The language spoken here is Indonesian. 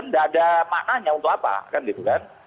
tidak ada maknanya untuk apa kan gitu kan